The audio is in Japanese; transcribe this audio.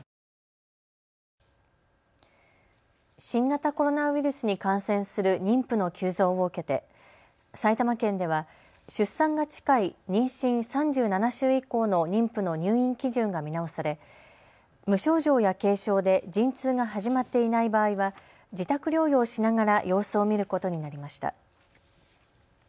新型コロナウイルスに感染する妊婦の急増を受けて埼玉県では出産が近い妊娠３７週以降の妊婦の入院基準が見直され無症状や軽症で陣痛が始まっていない場合は自宅療養しながら様子を見ることになりました。